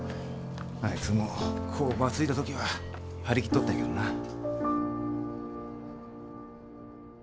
あいつも工場継いだ時は張り切っとったんやけどなぁ。